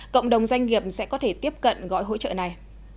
cộng đồng doanh nghiệp sẽ có thể tiếp cận gói hỗ trợ này